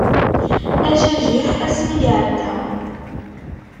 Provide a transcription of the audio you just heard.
Ajajiḥ ass mi iɛedda.